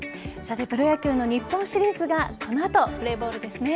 プロ野球の日本シリーズがこの後、プレーボールですね。